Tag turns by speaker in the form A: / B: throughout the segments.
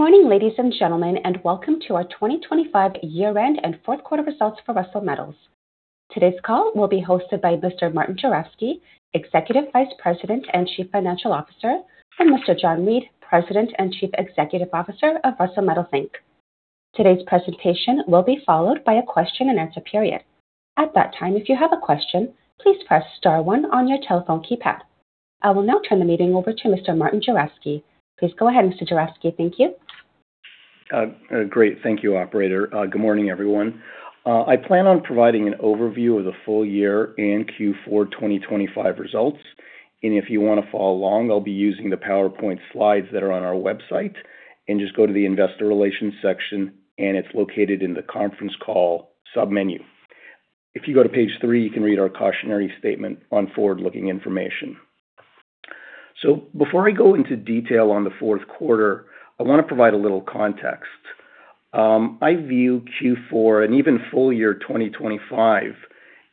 A: Good morning, ladies and gentlemen, and welcome to our 2025 year-end and fourth quarter results for Russel Metals. Today's call will be hosted by Mr. Martin Juravsky, Executive Vice President and Chief Financial Officer, and Mr. John Reid, President and Chief Executive Officer of Russel Metals Inc. Today's presentation will be followed by a question and answer period. At that time, if you have a question, please press star one on your telephone keypad. I will now turn the meeting over to Mr. Martin Juravsky. Please go ahead, Mr. Juravsky. Thank you.
B: Great. Thank you, operator. Good morning, everyone. I plan on providing an overview of the full year and Q4 2025 results, and if you want to follow along, I'll be using the PowerPoint slides that are on our website, and just go to the Investor Relations section, and it's located in the conference call sub-menu. If you go to page three, you can read our cautionary statement on forward-looking information. So before I go into detail on the fourth quarter, I want to provide a little context. I view Q4 and even full year 2025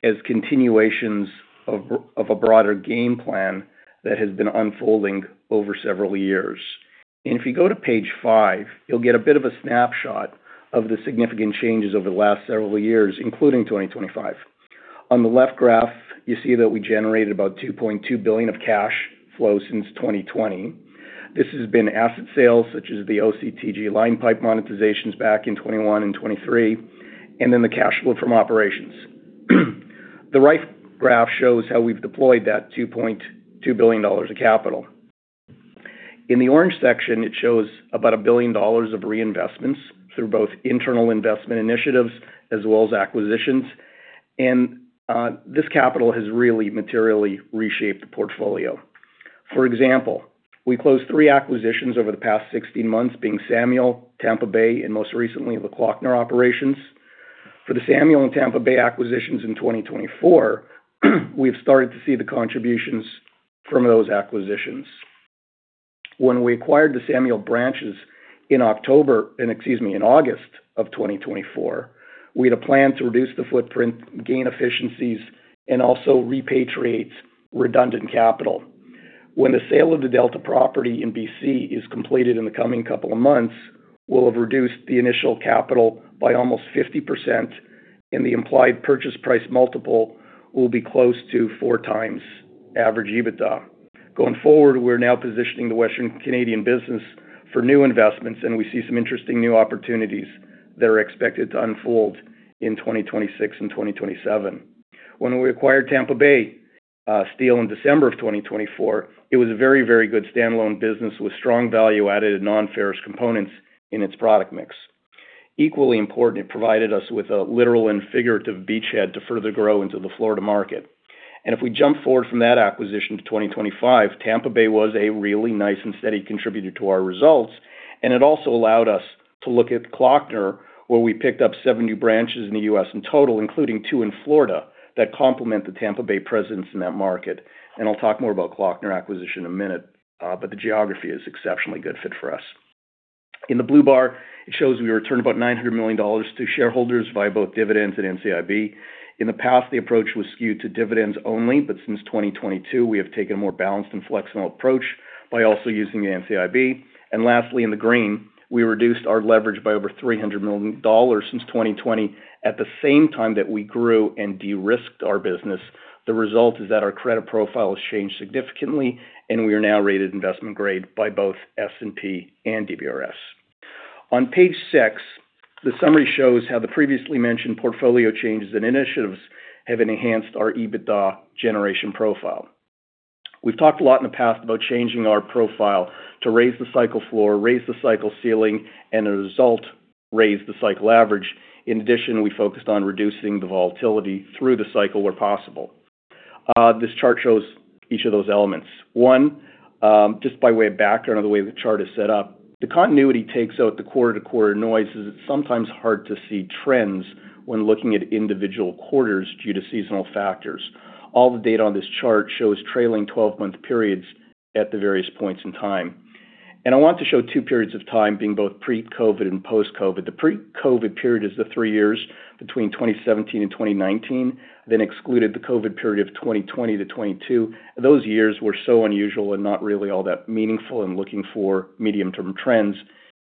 B: as continuations of a broader game plan that has been unfolding over several years. If you go to page five, you'll get a bit of a snapshot of the significant changes over the last several years, including 2025. On the left graph, you see that we generated about 2.2 billion of cash flow since 2020. This has been asset sales, such as the OCTG line pipe monetizations back in 2021 and 2023, and then the cash flow from operations. The right graph shows how we've deployed that 2.2 billion dollars of capital. In the orange section, it shows about 1 billion dollars of reinvestments through both internal investment initiatives as well as acquisitions, and this capital has really materially reshaped the portfolio. For example, we closed three acquisitions over the past 16 months, being Samuel, Tampa Bay, and most recently, the Kloeckner operations. For the Samuel and Tampa Bay acquisitions in 2024, we've started to see the contributions from those acquisitions. When we acquired the Samuel branches in October, and excuse me, in August 2024, we had a plan to reduce the footprint, gain efficiencies, and also repatriate redundant capital. When the sale of the Delta property in BC is completed in the coming couple of months, we'll have reduced the initial capital by almost 50%, and the implied purchase price multiple will be close to 4x average EBITDA. Going forward, we're now positioning the Western Canadian business for new investments, and we see some interesting new opportunities that are expected to unfold in 2026 and 2027. When we acquired Tampa Bay Steel in December 2024, it was a very, very good standalone business with strong value-added non-ferrous components in its product mix. Equally important, it provided us with a literal and figurative beachhead to further grow into the Florida market. If we jump forward from that acquisition to 2025, Tampa Bay was a really nice and steady contributor to our results, and it also allowed us to look at Kloeckner, where we picked up seven new branches in the U.S. in total, including two in Florida, that complement the Tampa Bay presence in that market. I'll talk more about Kloeckner acquisition in a minute, but the geography is exceptionally good fit for us. In the blue bar, it shows we returned about 900 million dollars to shareholders via both dividends and NCIB. In the past, the approach was skewed to dividends only, but since 2022, we have taken a more balanced and flexible approach by also using the NCIB. Lastly, in the green, we reduced our leverage by over 300 million dollars since 2020, at the same time that we grew and de-risked our business. The result is that our credit profile has changed significantly, and we are now rated investment grade by both S&P and DBRS. On page six, the summary shows how the previously mentioned portfolio changes and initiatives have enhanced our EBITDA generation profile. We've talked a lot in the past about changing our profile to raise the cycle floor, raise the cycle ceiling, and as a result, raise the cycle average. In addition, we focused on reducing the volatility through the cycle where possible. This chart shows each of those elements. One, just by way of background, or the way the chart is set up, the continuity takes out the quarter-to-quarter noise, as it's sometimes hard to see trends when looking at individual quarters due to seasonal factors. All the data on this chart shows trailing 12-month periods at the various points in time. I want to show two periods of time, being both pre-COVID and post-COVID. The pre-COVID period is the three years between 2017 and 2019, then excluded the COVID period of 2020 to 2022. Those years were so unusual and not really all that meaningful in looking for medium-term trends.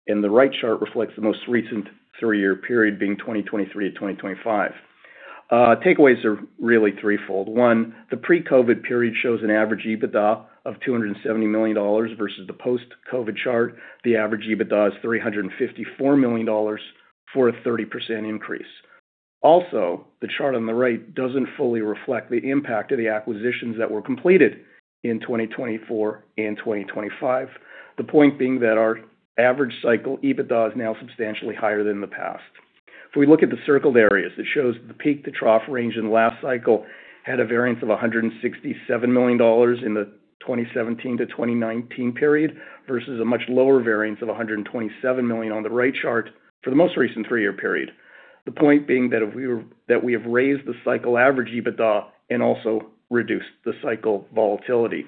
B: The right chart reflects the most recent three-year period, being 2023 to 2025. Takeaways are really threefold. One, the pre-COVID period shows an average EBITDA of 270 million dollars versus the post-COVID chart. The average EBITDA is 354 million dollars for a 30% increase. Also, the chart on the right doesn't fully reflect the impact of the acquisitions that were completed in 2024 and 2025. The point being that our average cycle EBITDA is now substantially higher than the past. If we look at the circled areas, it shows the peak to trough range in the last cycle had a variance of 167 million dollars in the 2017 to 2019 period, versus a much lower variance of 127 million on the right chart for the most recent three-year period. The point being that we have raised the cycle average EBITDA and also reduced the cycle volatility.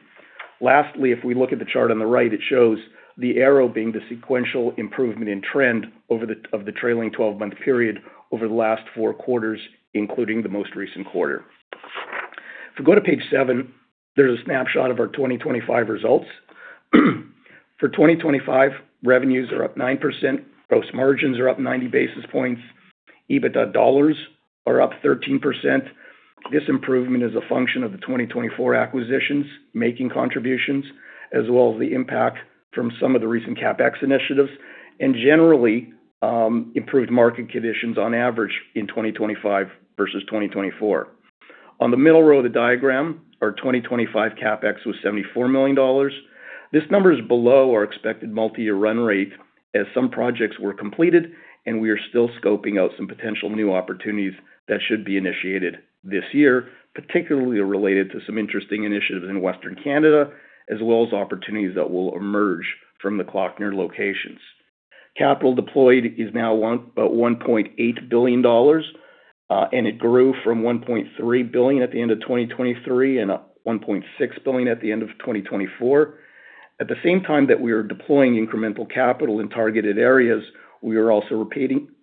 B: Lastly, if we look at the chart on the right, it shows the arrow being the sequential improvement in trend over the, of the trailing 12-month period over the last four quarters, including the most recent quarter. If we go to page seven, there's a snapshot of our 2025 results. For 2025, revenues are up 9%, gross margins are up 90 basis points. EBITDA dollars are up 13%. This improvement is a function of the 2024 acquisitions, making contributions, as well as the impact from some of the recent CapEx initiatives, and generally, improved market conditions on average in 2025 versus 2024. On the middle row of the diagram, our 2025 CapEx was 74 million dollars. This number is below our expected multi-year run rate, as some projects were completed, and we are still scoping out some potential new opportunities that should be initiated this year, particularly related to some interesting initiatives in Western Canada, as well as opportunities that will emerge from the Kloeckner locations. Capital deployed is now 1.8 billion dollars, and it grew from 1.3 billion at the end of 2023 and 1.6 billion at the end of 2024. At the same time that we are deploying incremental capital in targeted areas, we are also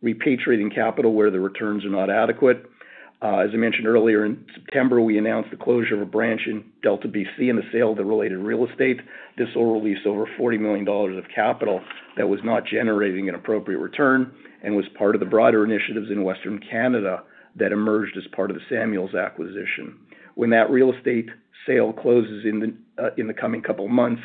B: repatriating capital where the returns are not adequate. As I mentioned earlier, in September, we announced the closure of a branch in Delta, BC, and the sale of the related real estate. This will release over 40 million dollars of capital that was not generating an appropriate return and was part of the broader initiatives in Western Canada that emerged as part of the Samuel's acquisition. When that real estate sale closes in the coming couple of months,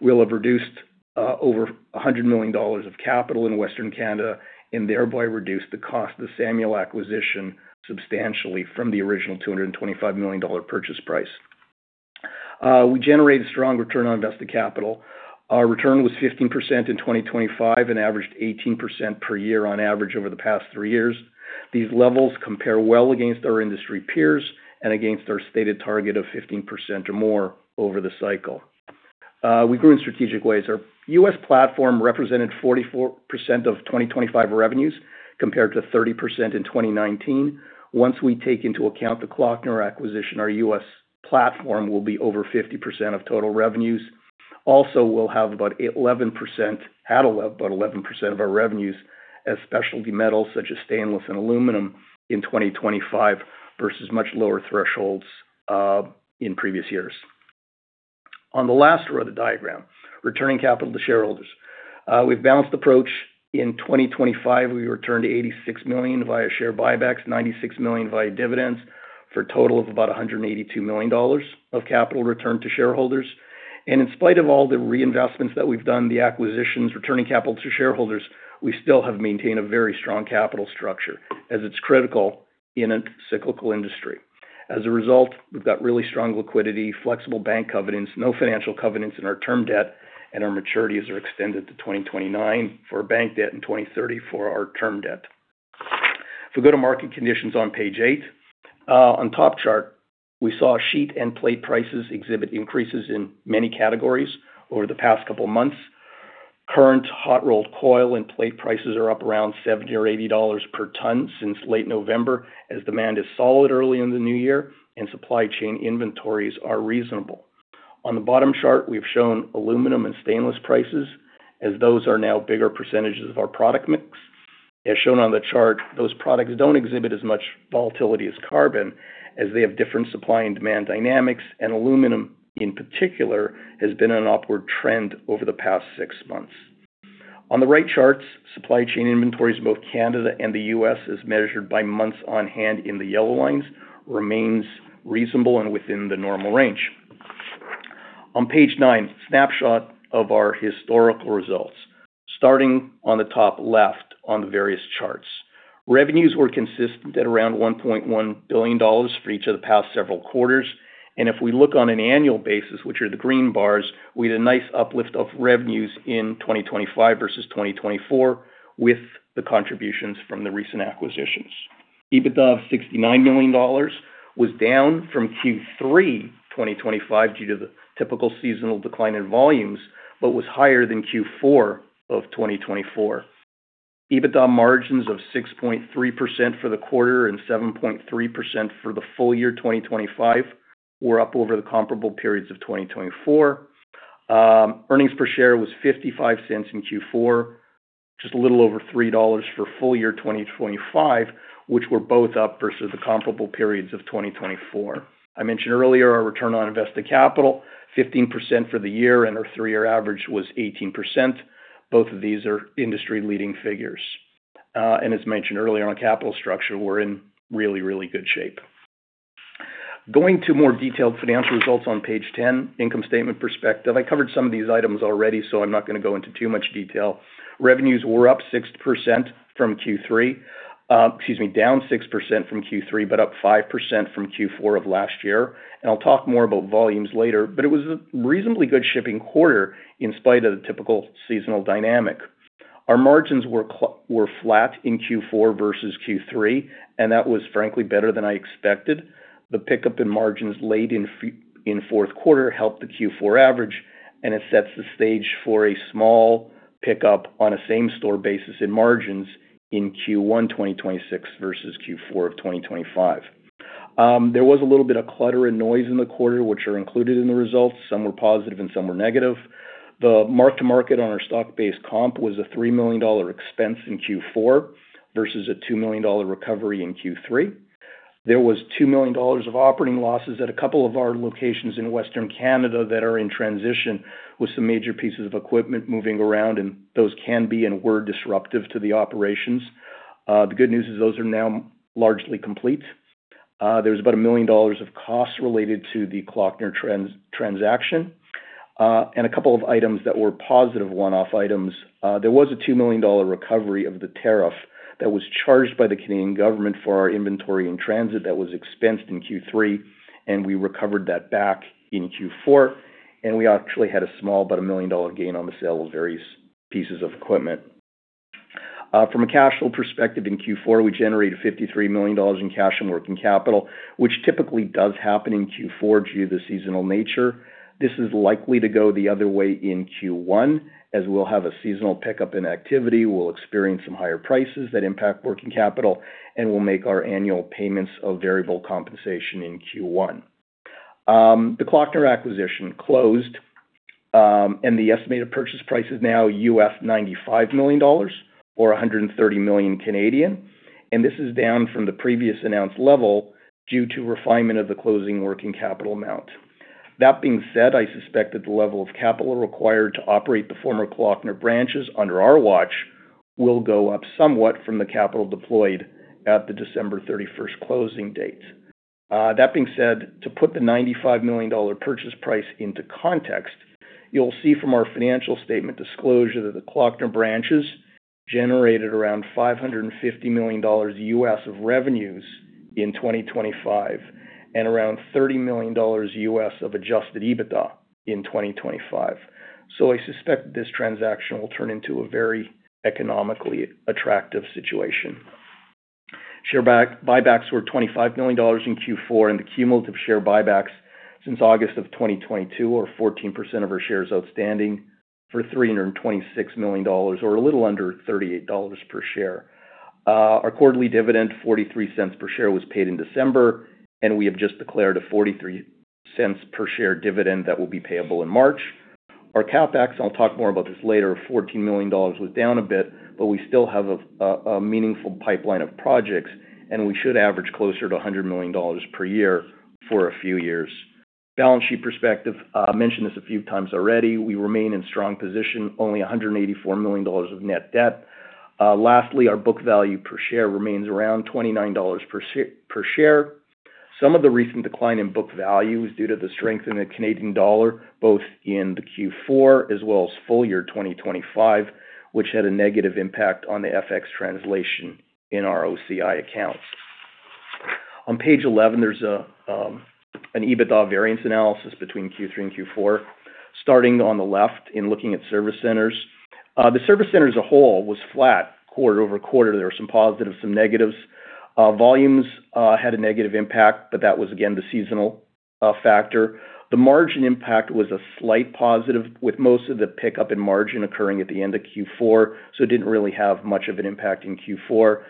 B: we'll have reduced over 100 million dollars of capital in Western Canada and thereby reduce the cost of the Samuel's acquisition substantially from the original 225 million dollar purchase price. We generated strong return on invested capital. Our return was 15% in 2025 and averaged 18% per year on average over the past three years. These levels compare well against our industry peers and against our stated target of 15% or more over the cycle. We grew in strategic ways. Our U.S. platform represented 44% of 2025 revenues, compared to 30% in 2019. Once we take into account the Klöckner acquisition, our U.S. platform will be over 50% of total revenues. Also, we'll have about 11%, at about 11% of our revenues as specialty metals, such as stainless and aluminum, in 2025 versus much lower thresholds in previous years. On the last row of the diagram, returning capital to shareholders. We've balanced approach. In 2025, we returned 86 million via share buybacks, 96 million via dividends, for a total of about 182 million dollars of capital returned to shareholders. In spite of all the reinvestments that we've done, the acquisitions, returning capital to shareholders, we still have maintained a very strong capital structure as it's critical in a cyclical industry. As a result, we've got really strong liquidity, flexible bank covenants, no financial covenants in our term debt, and our maturities are extended to 2029 for bank debt in 2030 for our term debt. If we go to market conditions on page eight, on top chart, we saw sheet and plate prices exhibit increases in many categories over the past couple of months. Current hot-rolled coil and plate prices are up around $70 or $80 per ton since late November, as demand is solid early in the new year and supply chain inventories are reasonable. On the bottom chart, we've shown aluminum and stainless prices, as those are now bigger percentages of our product mix. As shown on the chart, those products don't exhibit as much volatility as carbon, as they have different supply and demand dynamics, and aluminum, in particular, has been an upward trend over the past six months. On the right charts, supply chain inventories in both Canada and the U.S., as measured by months on hand in the yellow lines, remains reasonable and within the normal range. On page nine, snapshot of our historical results, starting on the top left on the various charts. Revenues were consistent at around 1.1 billion dollars for each of the past several quarters, and if we look on an annual basis, which are the green bars, we had a nice uplift of revenues in 2025 versus 2024, with the contributions from the recent acquisitions. EBITDA of 69 million dollars was down from Q3 2025 due to the typical seasonal decline in volumes, but was higher than Q4 2024. EBITDA margins of 6.3% for the quarter and 7.3% for the full year 2025 were up over the comparable periods of 2024. Earnings per share was 0.55 in Q4, just a little over 3 dollars for full year 2025, which were both up versus the comparable periods of 2024. I mentioned earlier, our return on invested capital, 15% for the year, and our three-year average was 18%. Both of these are industry-leading figures. And as mentioned earlier, on capital structure, we're in really, really good shape. Going to more detailed financial results on page 10, income statement perspective. I covered some of these items already, so I'm not gonna go into too much detail. Revenues were up 6% from Q3, excuse me, down 6% from Q3, but up 5% from Q4 of last year. And I'll talk more about volumes later, but it was a reasonably good shipping quarter in spite of the typical seasonal dynamic. Our margins were flat in Q4 versus Q3, and that was frankly better than I expected. The pickup in margins late in fourth quarter helped the Q4 average, and it sets the stage for a small pickup on a same store basis in margins in Q1 2026 versus Q4 of 2025. There was a little bit of clutter and noise in the quarter, which are included in the results. Some were positive and some were negative. The mark-to-market on our stock-based comp was a 3 million dollar expense in Q4, versus a 2 million dollar recovery in Q3. There was 2 million dollars of operating losses at a couple of our locations in Western Canada that are in transition, with some major pieces of equipment moving around, and those can be, and were, disruptive to the operations. The good news is those are now largely complete. There was about 1 million dollars of costs related to the Kloeckner transaction, and a couple of items that were positive one-off items. There was a 2 million dollar recovery of the tariff that was charged by the Canadian government for our inventory in transit that was expensed in Q3, and we recovered that back in Q4, and we actually had a small, about a 1 million dollar gain on the sale of various pieces of equipment. From a cash flow perspective, in Q4, we generated 53 million dollars in cash and working capital, which typically does happen in Q4, due to the seasonal nature. This is likely to go the other way in Q1, as we'll have a seasonal pickup in activity. We'll experience some higher prices that impact working capital, and we'll make our annual payments of variable compensation in Q1. The Kloeckner acquisition closed, and the estimated purchase price is now $95 million or 130 million, and this is down from the previous announced level due to refinement of the closing working capital amount. That being said, I suspect that the level of capital required to operate the former Kloeckner branches under our watch, will go up somewhat from the capital deployed at the December 31st closing date. That being said, to put the $95 million purchase price into context, you'll see from our financial statement disclosure, that the Kloeckner branches generated around $550 million of revenues in 2025, and around $30 million of adjusted EBITDA in 2025. So I suspect this transaction will turn into a very economically attractive situation. Share buybacks were 25 million dollars in Q4, and the cumulative share buybacks since August 2022 are 14% of our shares outstanding for 326 million dollars, or a little under 38 dollars per share. Our quarterly dividend, 0.43 per share, was paid in December, and we have just declared a 0.43 per share dividend that will be payable in March. Our CapEx, I'll talk more about this later, 14 million dollars was down a bit, but we still have a meaningful pipeline of projects, and we should average closer to 100 million dollars per year for a few years. Balance sheet perspective, I mentioned this a few times already. We remain in strong position, only 184 million dollars of net debt. Lastly, our book value per share remains around 29 dollars per share. Some of the recent decline in book value is due to the strength in the Canadian dollar, both in Q4 as well as full year 2025, which had a negative impact on the FX translation in our OCI accounts. On page 11, there's an EBITDA variance analysis between Q3 and Q4. Starting on the left and looking at service centers, the service center as a whole was flat quarter-over-quarter. There were some positives, some negatives. Volumes had a negative impact, but that was again the seasonal factor. The margin impact was a slight positive, with most of the pickup in margin occurring at the end of Q4, so it didn't really have much of an impact in Q4.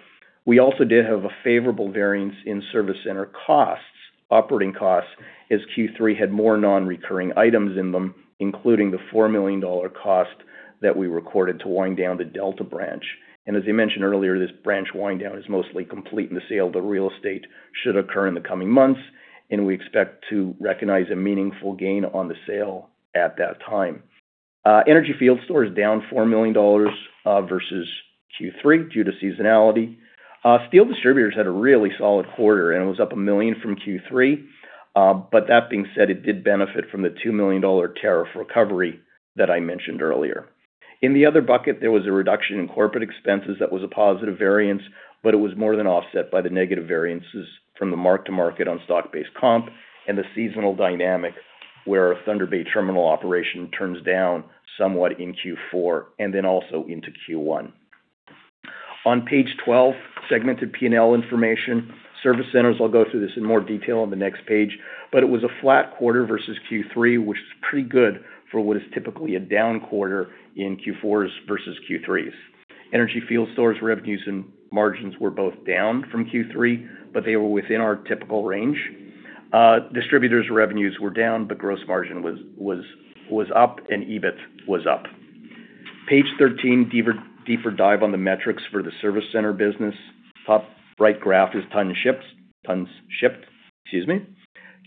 B: We also did have a favorable variance in service center costs, operating costs, as Q3 had more non-recurring items in them, including the 4 million dollar cost that we recorded to wind down the Delta branch. As I mentioned earlier, this branch wind down is mostly complete, and the sale of the real estate should occur in the coming months, and we expect to recognize a meaningful gain on the sale at that time. Energy field store is down 4 million dollars versus Q3 due to seasonality. Steel distributors had a really solid quarter, and it was up 1 million from Q3. But that being said, it did benefit from the 2 million dollar tariff recovery that I mentioned earlier. In the other bucket, there was a reduction in corporate expenses that was a positive variance, but it was more than offset by the negative variances from the mark-to-market on stock-based comp and the seasonal dynamic, where our Thunder Bay terminal operation turns down somewhat in Q4 and then also into Q1. On page 12, segmented P&L information. Service centers, I'll go through this in more detail on the next page, but it was a flat quarter versus Q3, which is pretty good for what is typically a down quarter in Q4s versus Q3s. Energy field stores, revenues and margins were both down from Q3, but they were within our typical range. Distributors' revenues were down, but gross margin was up and EBIT was up. Page 13, deeper dive on the metrics for the service center business. Top right graph is ton ships. Tons shipped, excuse me.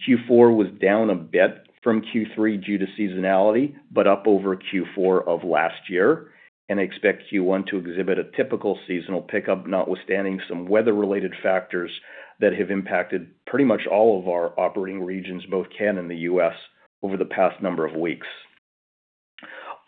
B: Q4 was down a bit from Q3 due to seasonality, but up over Q4 of last year, and expect Q1 to exhibit a typical seasonal pickup, notwithstanding some weather-related factors that have impacted pretty much all of our operating regions, both Canada and the U.S., over the past number of weeks.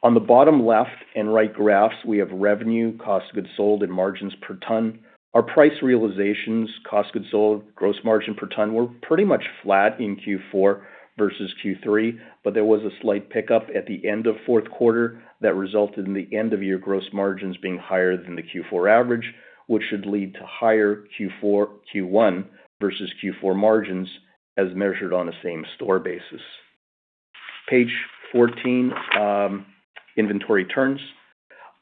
B: On the bottom left and right graphs, we have revenue, cost of goods sold, and margins per ton. Our price realizations, cost of goods sold, gross margin per ton, were pretty much flat in Q4 versus Q3, but there was a slight pickup at the end of fourth quarter that resulted in the end of year gross margins being higher than the Q4 average, which should lead to higher Q1 versus Q4 margins, as measured on a same store basis. Page 14, inventory turns.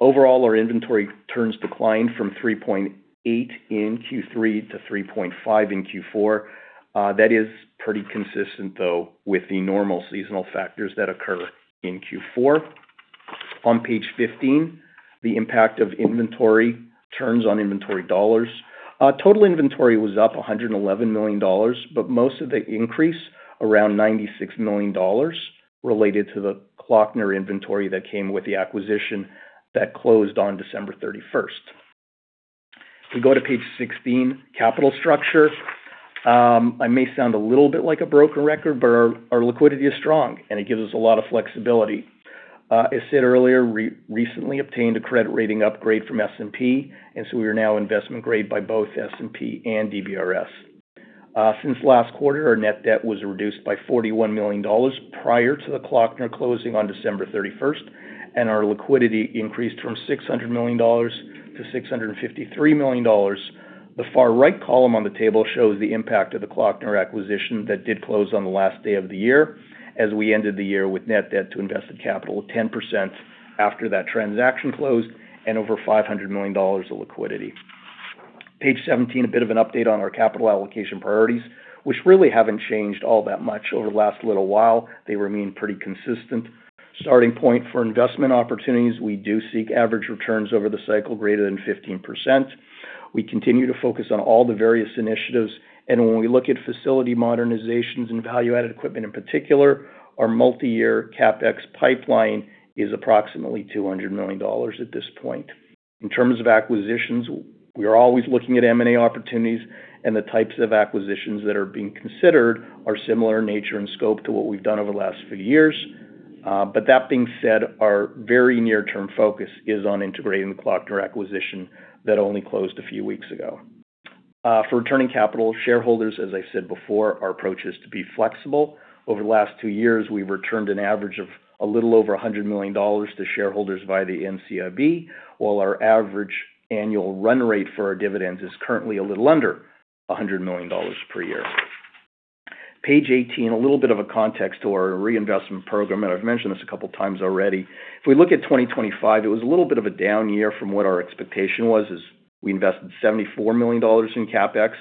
B: Overall, our inventory turns declined from 3.8 in Q3 to 3.5 in Q4. That is pretty consistent, though, with the normal seasonal factors that occur in Q4. On page 15, the impact of inventory turns on inventory dollars. Total inventory was up 111 million dollars, but most of the increase, around 96 million dollars, related to the Kloeckner inventory that came with the acquisition that closed on December 31st. If we go to page 16, capital structure. I may sound a little bit like a broken record, but our liquidity is strong, and it gives us a lot of flexibility. I said earlier, recently obtained a credit rating upgrade from S&P, and so we are now investment grade by both S&P and DBRS. Since last quarter, our net debt was reduced by 41 million dollars prior to the Kloeckner closing on December thirty-first, and our liquidity increased from 600 million dollars to 653 million dollars. The far right column on the table shows the impact of the Kloeckner acquisition that did close on the last day of the year, as we ended the year with net debt to invested capital of 10% after that transaction closed and over 500 million dollars of liquidity. Page 17, a bit of an update on our capital allocation priorities, which really haven't changed all that much over the last little while. They remain pretty consistent. Starting point for investment opportunities, we do seek average returns over the cycle greater than 15%. We continue to focus on all the various initiatives, and when we look at facility modernizations and value-added equipment in particular, our multiyear CapEx pipeline is approximately 200 million dollars at this point. In terms of acquisitions, we are always looking at M&A opportunities, and the types of acquisitions that are being considered are similar in nature and scope to what we've done over the last few years. But that being said, our very near-term focus is on integrating the Kloeckner acquisition that only closed a few weeks ago. For returning capital shareholders, as I said before, our approach is to be flexible. Over the last two years, we've returned an average of a little over 100 million dollars to shareholders via the NCIB, while our average annual run rate for our dividends is currently a little under 100 million dollars per year. Page 18, a little bit of a context to our reinvestment program, and I've mentioned this a couple times already. If we look at 2025, it was a little bit of a down year from what our expectation was, as we invested 74 million dollars in CapEx,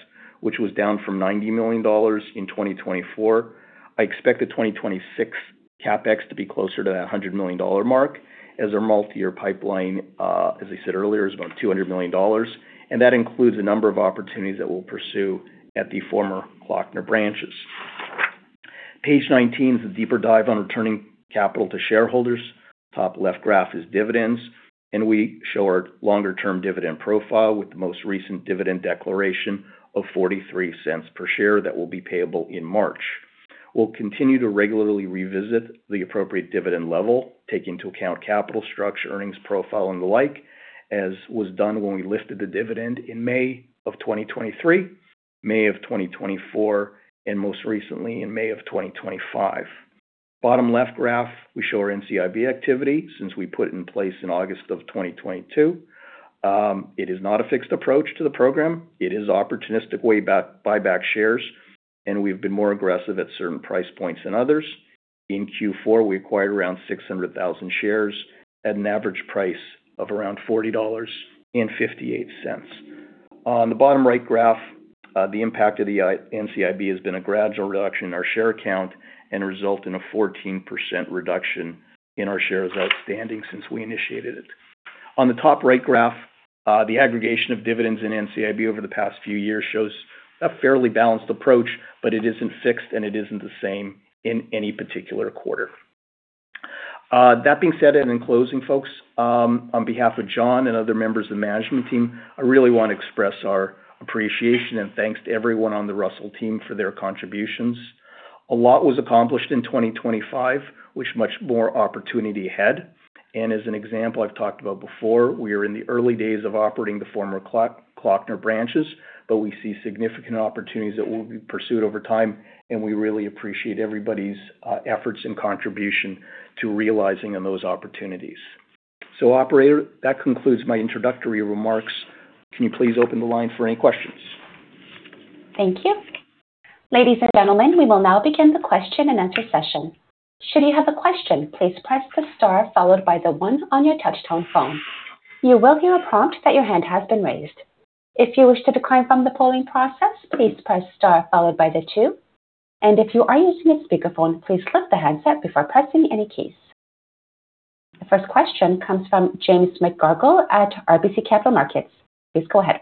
B: which was down from 90 million dollars in 2024. I expect the 2026 CapEx to be closer to that 100 million dollar mark as our multiyear pipeline, as I said earlier, is about 200 million dollars, and that includes a number of opportunities that we'll pursue at the former Klöckner branches. Page 19 is a deeper dive on returning capital to shareholders. Top left graph is dividends, and we show our longer-term dividend profile with the most recent dividend declaration of 0.43 per share that will be payable in March. We'll continue to regularly revisit the appropriate dividend level, taking into account capital structure, earnings profile, and the like, as was done when we lifted the dividend in May of 2023, May of 2024, and most recently, in May of 2025. Bottom left graph, we show our NCIB activity since we put it in place in August of 2022. It is not a fixed approach to the program. It is opportunistic buyback shares, and we've been more aggressive at certain price points than others. In Q4, we acquired around 600,000 shares at an average price of around 40.58 dollars. On the bottom right graph, the impact of the NCIB has been a gradual reduction in our share count and result in a 14% reduction in our shares outstanding since we initiated it. On the top right graph, the aggregation of dividends in NCIB over the past few years shows a fairly balanced approach, but it isn't fixed, and it isn't the same in any particular quarter. That being said, and in closing, folks, on behalf of John and other members of the management team, I really want to express our appreciation and thanks to everyone on the Russel team for their contributions. A lot was accomplished in 2025, with much more opportunity ahead. As an example I've talked about before, we are in the early days of operating the former Kloeckner branches, but we see significant opportunities that will be pursued over time, and we really appreciate everybody's efforts and contribution to realizing on those opportunities. So operator, that concludes my introductory remarks. Can you please open the line for any questions?
A: Thank you. Ladies and gentlemen, we will now begin the question-and-answer session. Should you have a question, please press the star followed by the one on your touch-tone phone. You will hear a prompt that your hand has been raised. If you wish to decline from the polling process, please press star followed by the two. If you are using a speakerphone, please click the handset before pressing any keys. The first question comes from James McGarragle at RBC Capital Markets. Please go ahead.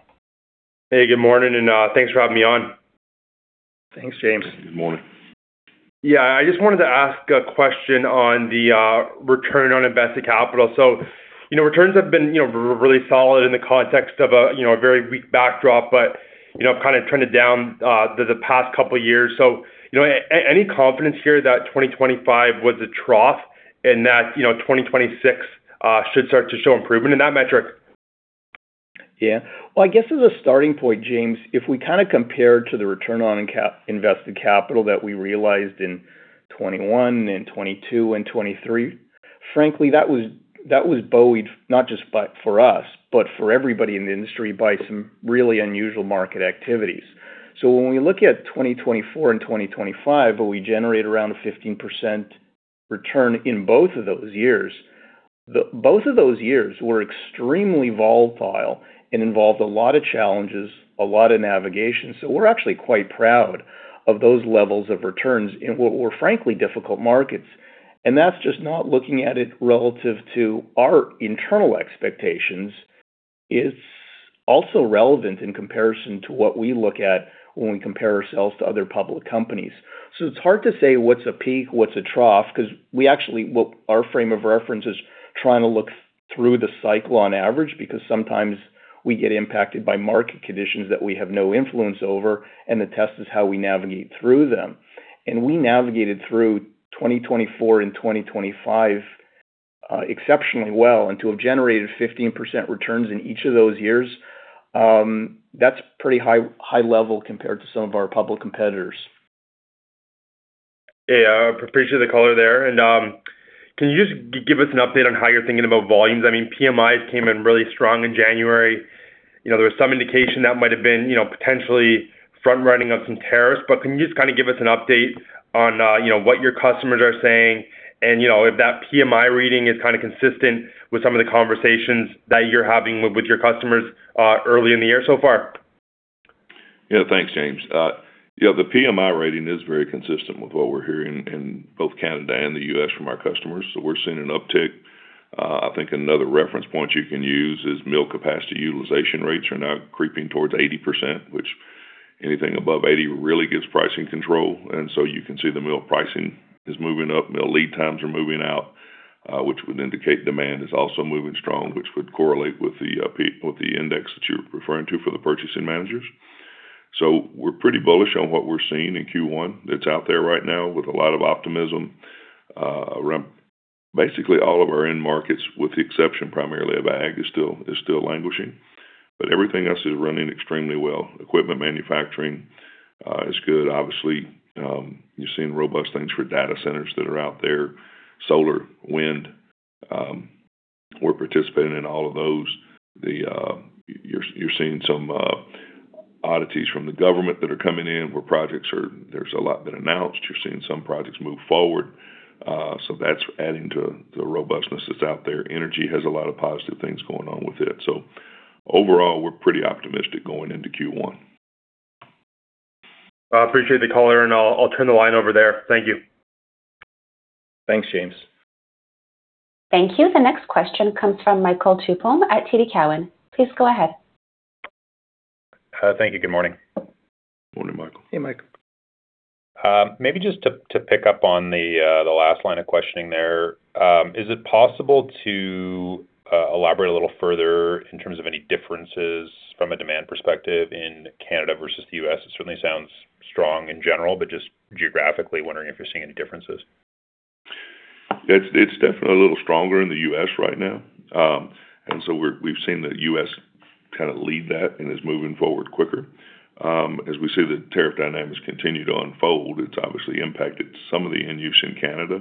C: Hey, good morning, and thanks for having me on.
B: Thanks, James.
C: Good morning. Yeah, I just wanted to ask a question on the return on invested capital. So, you know, returns have been, you know, really solid in the context of a, you know, a very weak backdrop, but, you know, kind of trended down the past couple of years. So, you know, any confidence here that 2025 was a trough and that, you know, 2026 should start to show improvement in that metric?
B: Yeah. Well, I guess as a starting point, James, if we kind of compare to the return on invested capital that we realized in 2021, 2022, and 2023, frankly, that was buoyed, not just by, for us, but for everybody in the industry by some really unusual market activities. So when we look at 2024 and 2025, where we generate around a 15% return in both of those years, both of those years were extremely volatile and involved a lot of challenges, a lot of navigation. So we're actually quite proud of those levels of returns in what were frankly difficult markets. And that's just not looking at it relative to our internal expectations, it's also relevant in comparison to what we look at when we compare ourselves to other public companies. So it's hard to say what's a peak, what's a trough, 'cause we actually, what our frame of reference is trying to look through the cycle on average, because sometimes we get impacted by market conditions that we have no influence over, and the test is how we navigate through them. We navigated through 2024 and 2025 exceptionally well, and to have generated 15% returns in each of those years, that's pretty high, high level compared to some of our public competitors.
C: Yeah, I appreciate the color there. And, can you just give us an update on how you're thinking about volumes? I mean, PMIs came in really strong in January. You know, there was some indication that might have been, you know, potentially front-running of some tariffs. But can you just kind of give us an update on, you know, what your customers are saying? And, you know, if that PMI reading is kind of consistent with some of the conversations that you're having with your customers, early in the year so far?
D: Yeah, thanks, James. Yeah, the PMI rating is very consistent with what we're hearing in both Canada and the U.S. from our customers, so we're seeing an uptick. I think another reference point you can use is mill capacity utilization rates are now creeping towards 80%, which anything above 80% really gives pricing control. And so you can see the mill pricing is moving up, mill lead times are moving out, which would indicate demand is also moving strong, which would correlate with the index that you're referring to for the purchasing managers. So we're pretty bullish on what we're seeing in Q1. It's out there right now with a lot of optimism around basically all of our end markets, with the exception, primarily of ag, is still, is still languishing. But everything else is running extremely well. Equipment manufacturing is good. Obviously, you're seeing robust things for data centers that are out there, solar, wind, we're participating in all of those. You're seeing some oddities from the government that are coming in, where projects are. There's a lot been announced. You're seeing some projects move forward, so that's adding to the robustness that's out there. Energy has a lot of positive things going on with it. So overall, we're pretty optimistic going into Q1.
C: I appreciate the call, on all. I'll turn the line over there. Thank you.
D: Thanks, James.
A: Thank you. The next question comes from Michael Tupholme at TD Cowen. Please go ahead.
E: Thank you. Good morning.
D: Morning, Michael.
B: Hey, Michael.
E: Maybe just to pick up on the last line of questioning there. Is it possible to elaborate a little further in terms of any differences from a demand perspective in Canada versus the U.S.? It certainly sounds strong in general, but just geographically, wondering if you're seeing any differences.
D: It's definitely a little stronger in the U.S. right now. And so we've seen the U.S. kind of lead that and is moving forward quicker. As we see the tariff dynamics continue to unfold, it's obviously impacted some of the end use in Canada,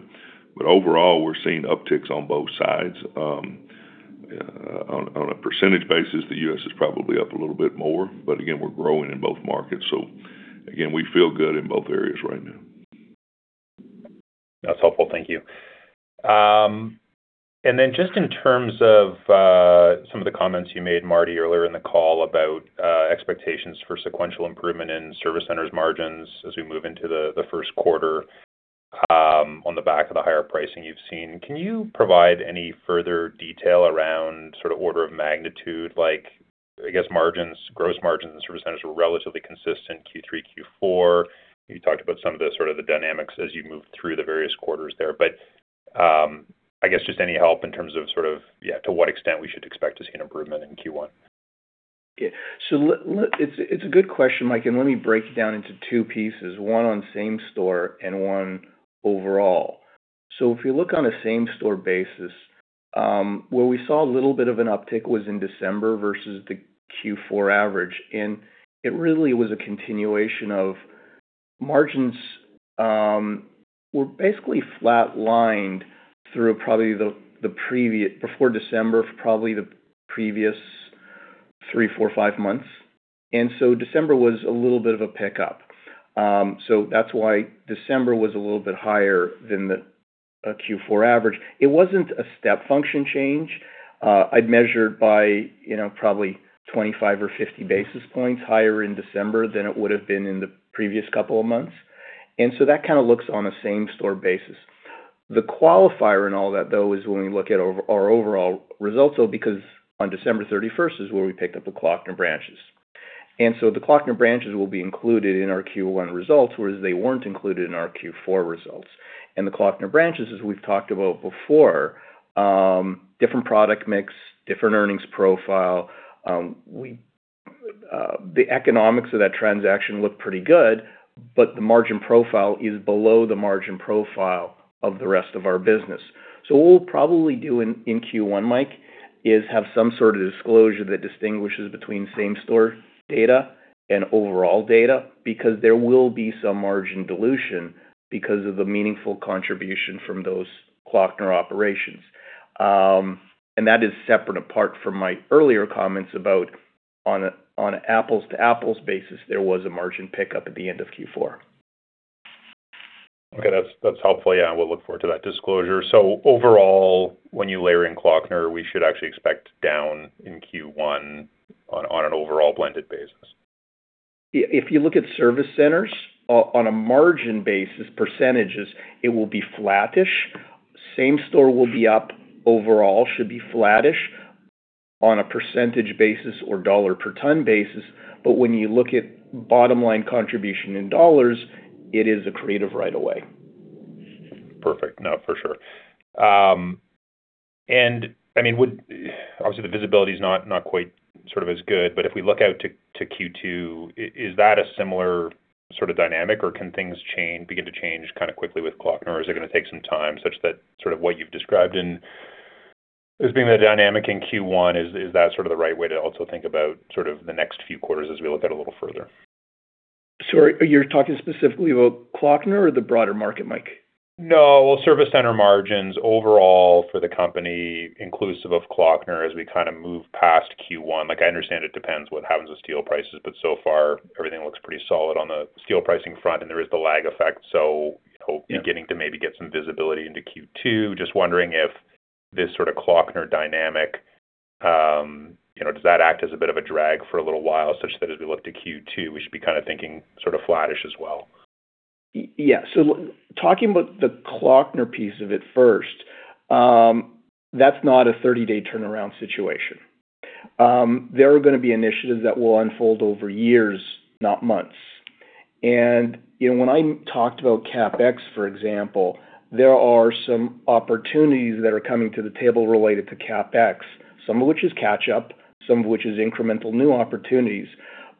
D: but overall, we're seeing upticks on both sides. On a percentage basis, the U.S. is probably up a little bit more, but again, we're growing in both markets. So again, we feel good in both areas right now.
E: That's helpful. Thank you. And then just in terms of some of the comments you made, Marty, earlier in the call about expectations for sequential improvement in service centers margins as we move into the first quarter on the back of the higher pricing you've seen. Can you provide any further detail around sort of order of magnitude, like, I guess margins, gross margins in service centers were relatively consistent Q3, Q4. You talked about some of the sort of the dynamics as you move through the various quarters there. But I guess just any help in terms of sort of, yeah, to what extent we should expect to see an improvement in Q1?
B: Yeah. So it's a good question, Mike, and let me break it down into two pieces, one on same store and one overall. So if you look on a same store basis, where we saw a little bit of an uptick was in December versus the Q4 average, and it really was a continuation of margins were basically flat lined through probably the before December, probably the previous three, four, five months. And so December was a little bit of a pickup. So that's why December was a little bit higher than the Q4 average. It wasn't a step function change. I'd measured by, you know, probably 25 or 50 basis points higher in December than it would have been in the previous couple of months, and so that kind of looks on a same-store basis. The qualifier in all that, though, is when we look at our overall results, though, because on December thirty-first is where we picked up the Kloeckner branches. So the Kloeckner branches will be included in our Q1 results, whereas they weren't included in our Q4 results. The Kloeckner branches, as we've talked about before, different product mix, different earnings profile. We, the economics of that transaction look pretty good, but the margin profile is below the margin profile of the rest of our business. What we'll probably do in Q1, Mike, is have some sort of disclosure that distinguishes between same store data and overall data, because there will be some margin dilution because of the meaningful contribution from those Kloeckner operations. That is separate, apart from my earlier comments about, on an apples to apples basis, there was a margin pickup at the end of Q4.
E: Okay, that's, that's helpful. Yeah, we'll look forward to that disclosure. So overall, when you layer in Kloeckner, we should actually expect down in Q1 on, on an overall blended basis?
B: If you look at service centers, on a margin basis, percentages, it will be flattish. Same store will be up, overall should be flattish on a percentage basis or dollar per ton basis, but when you look at bottom line contribution in dollars, it is accretive right away.
E: Perfect. No, for sure. And I mean, would obviously, the visibility is not, not quite sort of as good, but if we look out to Q2, is that a similar sort of dynamic, or can things begin to change kind of quickly with Kloeckner, or is it gonna take some time such that sort of what you've described in as being the dynamic in Q1, is that sort of the right way to also think about sort of the next few quarters as we look at it a little further?
B: Sorry, you're talking specifically about Kloeckner or the broader market, Mike?
E: No, well, service center margins overall for the company, inclusive of Kloeckner, as we kind of move past Q1. Like, I understand it depends what happens with steel prices, but so far, everything looks pretty solid on the steel pricing front, and there is the lag effect. So hope,
B: Yeah
E: Beginning to maybe get some visibility into Q2. Just wondering if this sort of Kloeckner dynamic, you know, does that act as a bit of a drag for a little while, such that as we look to Q2, we should be kind of thinking sort of flattish as well?
B: Yeah. So talking about the Kloeckner piece of it first, that's not a 30-day turnaround situation. There are gonna be initiatives that will unfold over years, not months. And, you know, when I talked about CapEx, for example, there are some opportunities that are coming to the table related to CapEx, some of which is catch up, some of which is incremental new opportunities,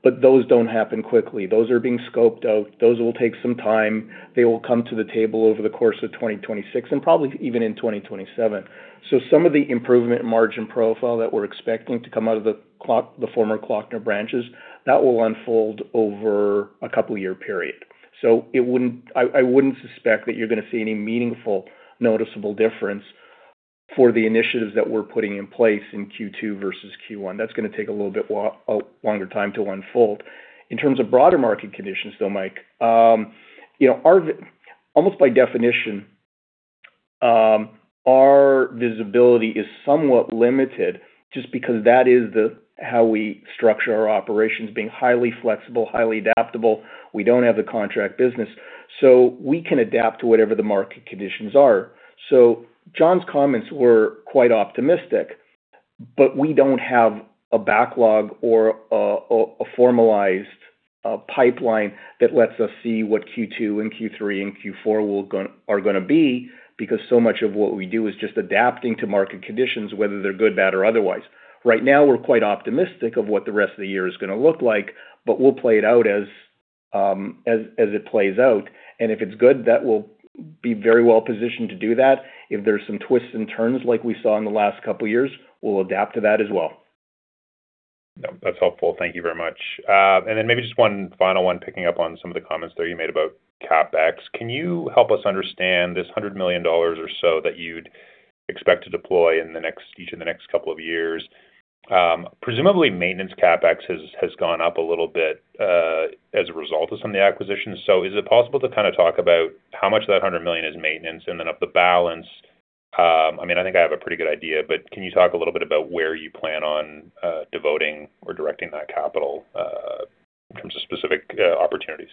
B: but those don't happen quickly. Those are being scoped out. Those will take some time. They will come to the table over the course of 2026 and probably even in 2027. So some of the improvement margin profile that we're expecting to come out of the former Kloeckner branches, that will unfold over a couple-year period. So it wouldn't, I wouldn't suspect that you're gonna see any meaningful, noticeable difference for the initiatives that we're putting in place in Q2 versus Q1. That's gonna take a little bit longer time to unfold. In terms of broader market conditions, though, Mike, you know, our visibility is somewhat limited just because that is how we structure our operations, being highly flexible, highly adaptable. We don't have the contract business, so we can adapt to whatever the market conditions are. So John's comments were quite optimistic, but we don't have a backlog or a formalized pipeline that lets us see what Q2 and Q3 and Q4 are gonna be, because so much of what we do is just adapting to market conditions, whether they're good, bad, or otherwise. Right now, we're quite optimistic of what the rest of the year is gonna look like, but we'll play it out as it plays out, and if it's good, that will be very well positioned to do that. If there's some twists and turns like we saw in the last couple of years, we'll adapt to that as well.
E: No, that's helpful. Thank you very much. And then maybe just one final one, picking up on some of the comments there you made about CapEx. Can you help us understand this 100 million dollars or so that you'd expect to deploy in each of the next couple of years? Presumably, maintenance CapEx has gone up a little bit as a result of some of the acquisitions. So is it possible to kind of talk about how much of that 100 million is maintenance? And then of the balance, I mean, I think I have a pretty good idea, but can you talk a little bit about where you plan on devoting or directing that capital in terms of specific opportunities?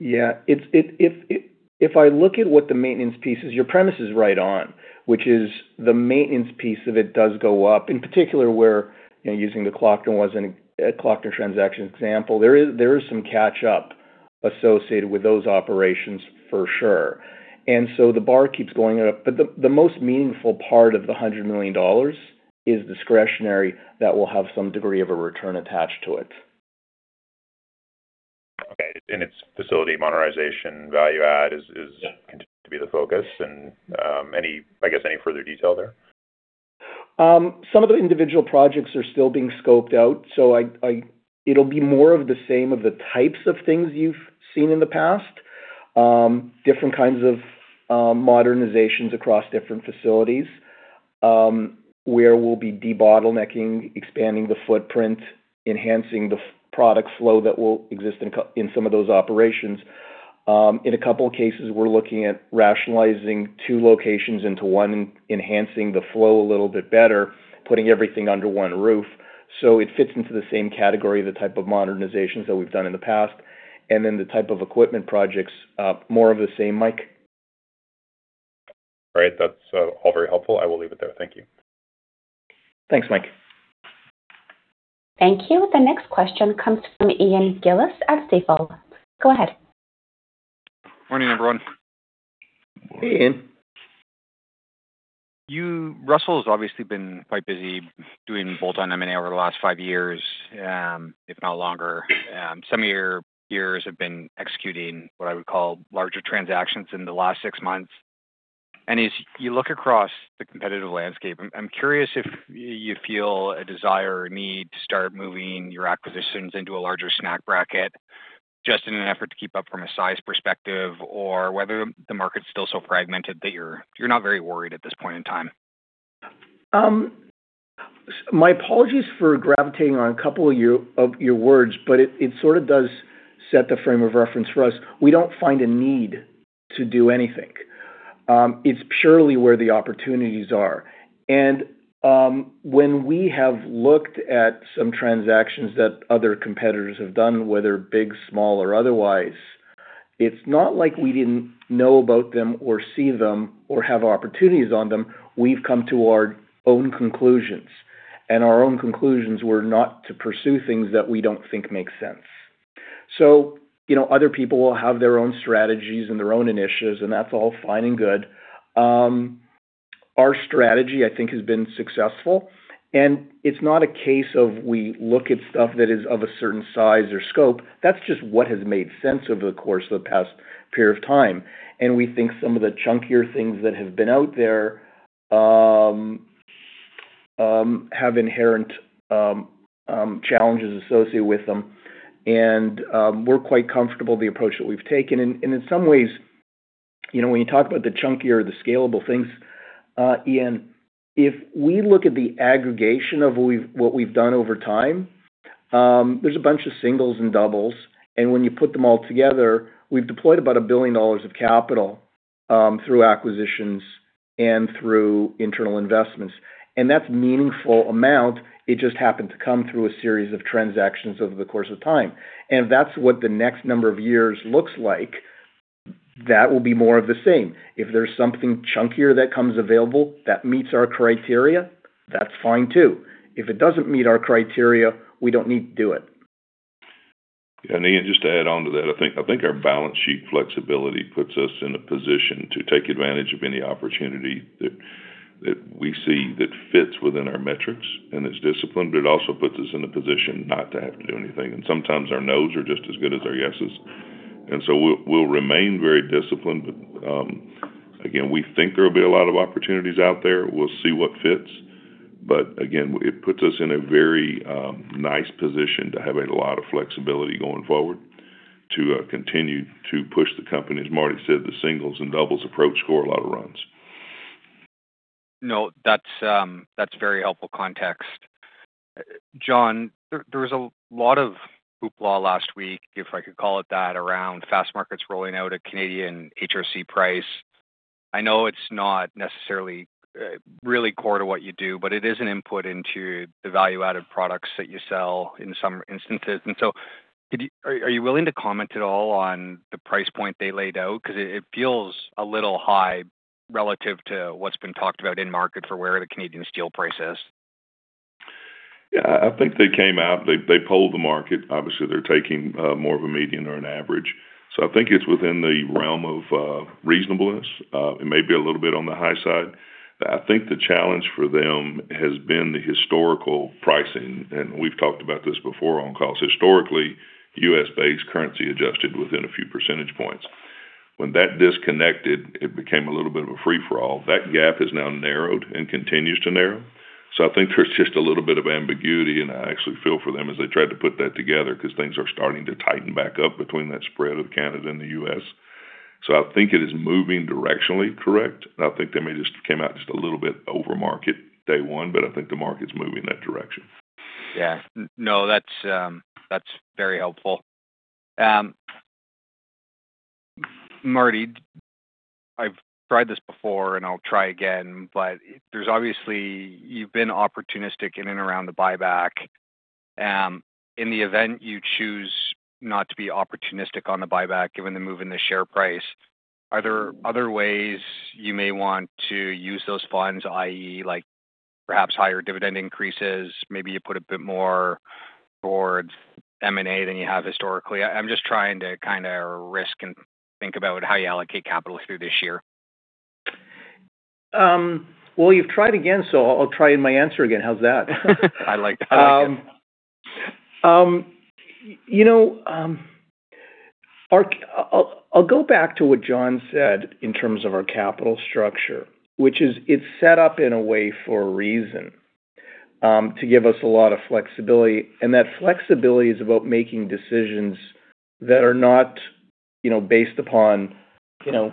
B: Yeah, it's, if I look at what the maintenance piece is, your premise is right on, which is the maintenance piece of it does go up, in particular where, you know, using the Kloeckner was in a Kloeckner transaction example, there is some catch up associated with those operations, for sure. And so the bar keeps going up, but the most meaningful part of the 100 million dollars is discretionary that will have some degree of a return attached to it.
E: Okay, and it's facility monetization value add is,
B: Yeah
E: Continued to be the focus, and, any, I guess, any further detail there?
B: Some of the individual projects are still being scoped out, so it'll be more of the same of the types of things you've seen in the past. Different kinds of modernizations across different facilities, where we'll be debottlenecking, expanding the footprint, enhancing the product flow that will exist in some of those operations. In a couple of cases, we're looking at rationalizing two locations into one and enhancing the flow a little bit better, putting everything under one roof. So it fits into the same category, the type of modernizations that we've done in the past, and then the type of equipment projects, more of the same, Mike.
E: Right. That's all very helpful. I will leave it there. Thank you.
B: Thanks, Mike.
A: Thank you. The next question comes from Ian Gillies at Stifel. Go ahead.
F: Morning, everyone.
B: Hey, Ian.
F: Russel has obviously been quite busy doing bolt-on M&A over the last five years, if not longer. Some of your years have been executing what I would call larger transactions in the last six months. As you look across the competitive landscape, I'm curious if you feel a desire or need to start moving your acquisitions into a larger snack bracket? Just in an effort to keep up from a size perspective, or whether the market's still so fragmented that you're not very worried at this point in time?
B: My apologies for gravitating on a couple of your words, but it sort of does set the frame of reference for us. We don't find a need to do anything. It's purely where the opportunities are. When we have looked at some transactions that other competitors have done, whether big, small, or otherwise, it's not like we didn't know about them or see them or have opportunities on them. We've come to our own conclusions, and our own conclusions were not to pursue things that we don't think make sense. You know, other people will have their own strategies and their own initiatives, and that's all fine and good. Our strategy, I think, has been successful, and it's not a case of we look at stuff that is of a certain size or scope, that's just what has made sense over the course of the past period of time. We think some of the chunkier things that have been out there have inherent challenges associated with them, and we're quite comfortable with the approach that we've taken. In some ways, you know, when you talk about the chunkier, the scalable things, Ian, if we look at the aggregation of what we've done over time, there's a bunch of singles and doubles, and when you put them all together, we've deployed about $1 billion of capital through acquisitions and through internal investments. And that's meaningful amount, it just happened to come through a series of transactions over the course of time. And if that's what the next number of years looks like, that will be more of the same. If there's something chunkier that comes available that meets our criteria, that's fine, too. If it doesn't meet our criteria, we don't need to do it.
D: Ian, just to add on to that, I think our balance sheet flexibility puts us in a position to take advantage of any opportunity that we see that fits within our metrics, and it's disciplined, but it also puts us in a position not to have to do anything. Sometimes our nos are just as good as our yeses. So we'll remain very disciplined. But again, we think there will be a lot of opportunities out there. We'll see what fits. But again, it puts us in a very nice position to have a lot of flexibility going forward, to continue to push the company. As Marty said, the singles and doubles approach score a lot of runs.
F: No, that's very helpful context. John, there was a lot of hoopla last week, if I could call it that, around Fastmarkets rolling out a Canadian HRC price. I know it's not necessarily really core to what you do, but it is an input into the value-added products that you sell in some instances. And so could you, are you willing to comment at all on the price point they laid out? Because it feels a little high relative to what's been talked about in market for where the Canadian steel price is.
D: Yeah, I think they came out, they polled the market. Obviously, they're taking more of a median or an average. So I think it's within the realm of reasonableness. It may be a little bit on the high side. But I think the challenge for them has been the historical pricing, and we've talked about this before on calls. Historically, U.S.-based currency adjusted within a few percentage points. When that disconnected, it became a little bit of a free-for-all. That gap has now narrowed and continues to narrow. So I think there's just a little bit of ambiguity, and I actually feel for them as they tried to put that together because things are starting to tighten back up between that spread of Canada and the U.S. So I think it is moving directionally correct, and I think they may just came out just a little bit over market day one, but I think the market's moving in that direction.
F: Yeah. No, that's very helpful. Marty, I've tried this before and I'll try again, but there's obviously, you've been opportunistic in and around the buyback. In the event you choose not to be opportunistic on the buyback, given the move in the share price, are there other ways you may want to use those funds, i.e., like perhaps higher dividend increases, maybe you put a bit more towards M&A than you have historically? I'm just trying to kind of risk and think about how you allocate capital through this year.
B: Well, you've tried again, so I'll try in my answer again. How's that?
F: I like that.
B: You know, I'll go back to what John said in terms of our capital structure, which is, it's set up in a way for a reason, to give us a lot of flexibility, and that flexibility is about making decisions that are not, you know, based upon, you know,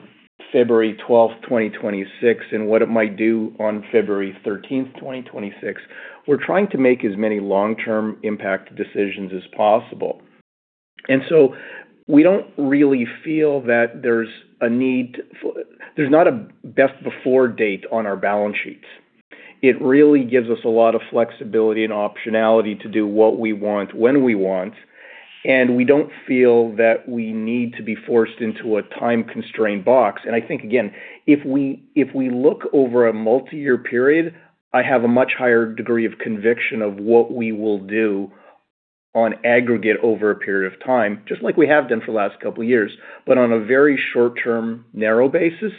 B: February 12th, 2026, and what it might do on February 13th, 2026. We're trying to make as many long-term impact decisions as possible. And so we don't really feel that there's a need for. There's not a best before date on our balance sheets. It really gives us a lot of flexibility and optionality to do what we want, when we want, and we don't feel that we need to be forced into a time-constrained box. And I think, again, if we, if we look over a multi-year period, I have a much higher degree of conviction of what we will do on aggregate over a period of time, just like we have done for the last couple of years. But on a very short-term, narrow basis,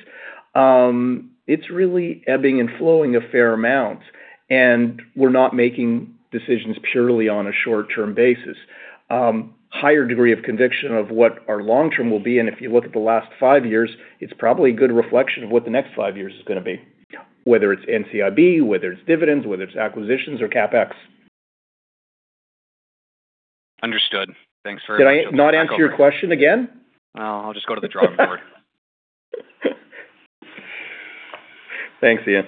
B: it's really ebbing and flowing a fair amount, and we're not making decisions purely on a short-term basis. Higher degree of conviction of what our long term will be, and if you look at the last five years, it's probably a good reflection of what the next five years is gonna be, whether it's NCIB, whether it's dividends, whether it's acquisitions or CapEx.
F: Understood. Thanks for.
B: Did I not answer your question again?
F: No, I'll just go to the drawing board.
B: Thanks, Ian.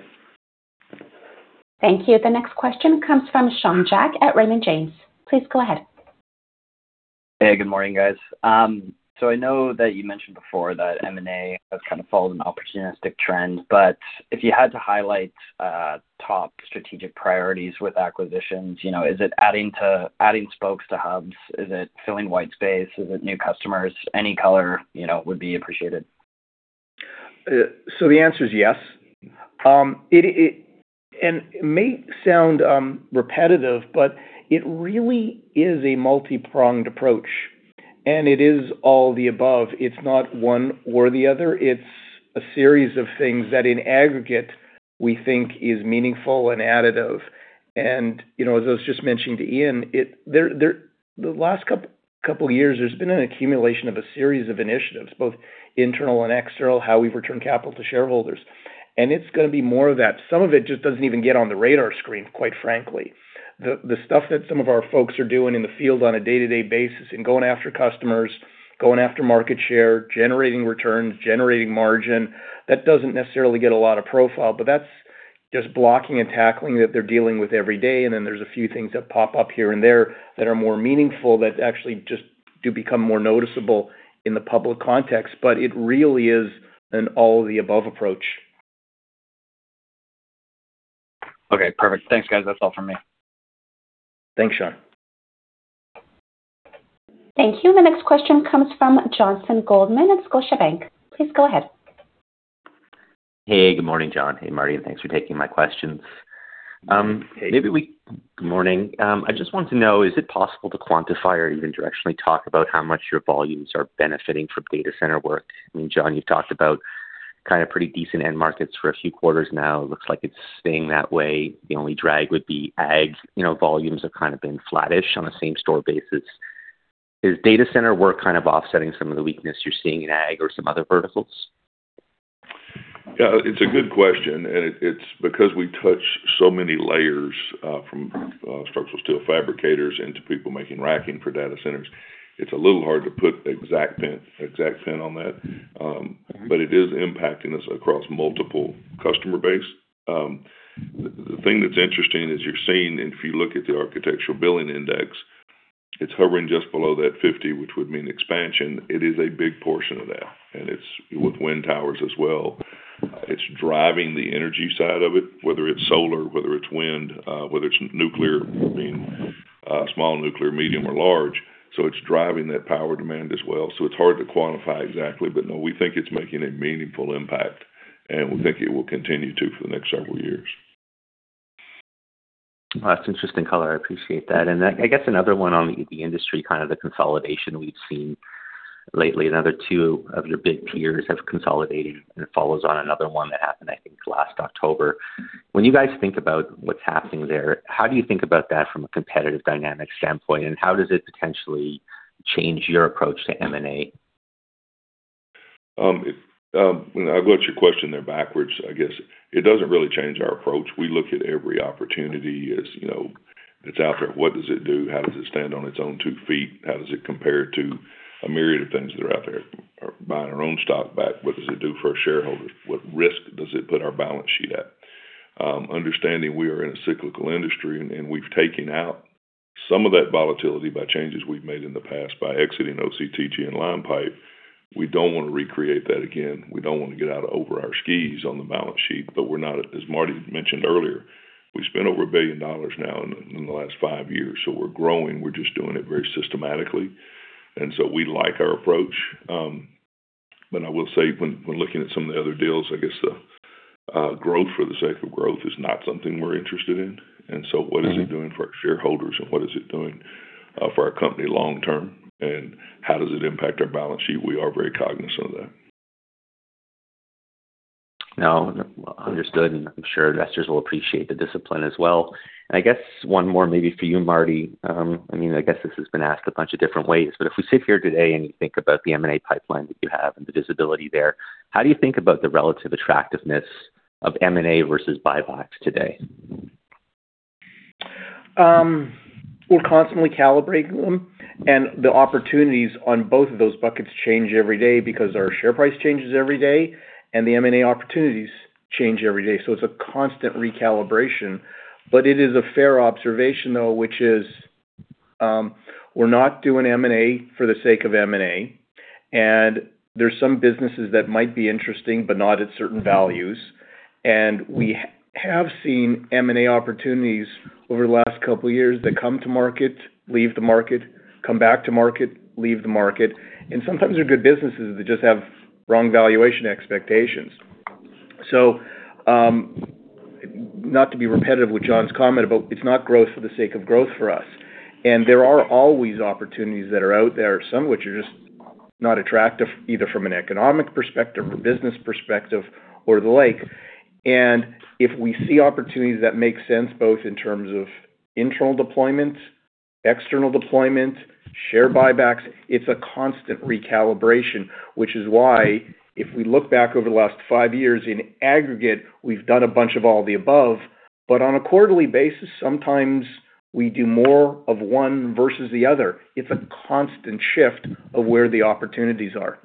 A: Thank you. The next question comes from Sean Jack at Raymond James. Please go ahead.
G: Hey, good morning, guys. So I know that you mentioned before that M&A has kind of followed an opportunistic trend, but if you had to highlight top strategic priorities with acquisitions, you know, is it adding spokes to hubs? Is it filling white space? Is it new customers? Any color, you know, would be appreciated.
B: So the answer is yes. It may sound repetitive, but it really is a multi-pronged approach, and it is all the above. It's not one or the other. It's a series of things that, in aggregate, we think is meaningful and additive. And, you know, as I was just mentioning to Ian, the last couple of years, there's been an accumulation of a series of initiatives, both internal and external, how we've returned capital to shareholders. And it's gonna be more of that. Some of it just doesn't even get on the radar screen, quite frankly. The stuff that some of our folks are doing in the field on a day-to-day basis and going after customers, going after market share, generating returns, generating margin, that doesn't necessarily get a lot of profile, but that's just blocking and tackling that they're dealing with every day. And then there's a few things that pop up here and there that are more meaningful, that actually just do become more noticeable in the public context. But it really is an all-of-the-above approach.
G: Okay, perfect. Thanks, guys. That's all for me.
B: Thanks, Sean.
A: Thank you. The next question comes from Jonathan Goldman at Scotiabank. Please go ahead.
H: Hey, good morning, John. Hey, Marty, and thanks for taking my questions.
B: Hey.
H: Good morning. I just wanted to know, is it possible to quantify or even directionally talk about how much your volumes are benefiting from data center work? I mean, John, you've talked about kind of pretty decent end markets for a few quarters now. It looks like it's staying that way. The only drag would be ag. You know, volumes have kind of been flattish on a same-store basis. Is data center work kind of offsetting some of the weakness you're seeing in ag or some other verticals?
D: Yeah, it's a good question, and it's because we touch so many layers from structural steel fabricators into people making racking for data centers. It's a little hard to put the exact pin on that. But it is impacting us across multiple customer base. The thing that's interesting is you're seeing, and if you look at the Architecture Billings Index, it's hovering just below that 50, which would mean expansion. It is a big portion of that, and it's with wind towers as well. It's driving the energy side of it, whether it's solar, whether it's wind, whether it's nuclear. I mean, small nuclear, medium or large. So it's driving that power demand as well. So it's hard to quantify exactly, but no, we think it's making a meaningful impact, and we think it will continue to for the next several years.
H: Well, that's interesting color. I appreciate that. And I, I guess another one on the, the industry, kind of the consolidation we've seen lately. Another two of your big peers have consolidated, and it follows on another one that happened, I think, last October. When you guys think about what's happening there, how do you think about that from a competitive dynamic standpoint, and how does it potentially change your approach to M&A?
D: I've got your question there backwards, I guess. It doesn't really change our approach. We look at every opportunity as, you know, it's out there. What does it do? How does it stand on its own 2 ft? How does it compare to a myriad of things that are out there? Buying our own stock back, what does it do for our shareholders? What risk does it put our balance sheet at? Understanding we are in a cyclical industry and we've taken out some of that volatility by changes we've made in the past by exiting OCTG and line pipe, we don't want to recreate that again. We don't want to get out over our skis on the balance sheet, but we're not, as Marty mentioned earlier, we've spent over 1 billion dollars now in the last five years, so we're growing. We're just doing it very systematically, and so we like our approach. But I will say when looking at some of the other deals, I guess the growth for the sake of growth is not something we're interested in.
H: Mm-hmm.
D: And so what is it doing for our shareholders, and what is it doing, for our company long term? And how does it impact our balance sheet? We are very cognizant of that.
H: No, understood, and I'm sure investors will appreciate the discipline as well. I guess one more maybe for you, Marty. I mean, I guess this has been asked a bunch of different ways, but if we sit here today and think about the M&A pipeline that you have and the visibility there, how do you think about the relative attractiveness of M&A versus buybacks today?
B: We're constantly calibrating, and the opportunities on both of those buckets change every day because our share price changes every day, and the M&A opportunities change every day. So it's a constant recalibration. But it is a fair observation, though, which is, we're not doing M&A for the sake of M&A, and there's some businesses that might be interesting, but not at certain values. And we have seen M&A opportunities over the last couple of years that come to market, leave the market, come back to market, leave the market, and sometimes they're good businesses that just have wrong valuation expectations. So, not to be repetitive with John's comment, but it's not growth for the sake of growth for us. There are always opportunities that are out there, some of which are just not attractive, either from an economic perspective or business perspective or the like. And if we see opportunities that make sense, both in terms of internal deployments, external deployments, share buybacks, it's a constant recalibration, which is why if we look back over the last five years, in aggregate, we've done a bunch of all the above, but on a quarterly basis, sometimes we do more of one versus the other. It's a constant shift of where the opportunities are.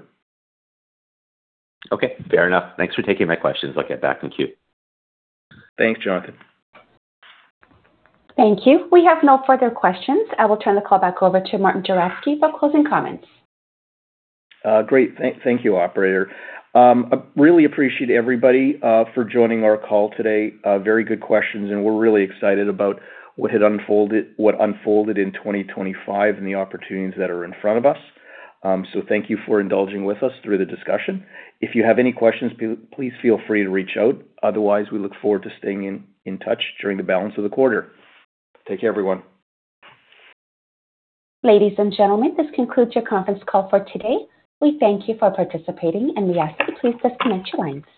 H: Okay, fair enough. Thanks for taking my questions. I'll get back in queue.
B: Thanks, Jonathan.
A: Thank you. We have no further questions. I will turn the call back over to Martin Juravsky for closing comments.
B: Great. Thank you, operator. I really appreciate everybody for joining our call today. Very good questions, and we're really excited about what had unfolded, what unfolded in 2025 and the opportunities that are in front of us. So thank you for indulging with us through the discussion. If you have any questions, please, please feel free to reach out. Otherwise, we look forward to staying in touch during the balance of the quarter. Take care, everyone.
A: Ladies and gentlemen, this concludes your conference call for today. We thank you for participating, and we ask that you please disconnect your lines.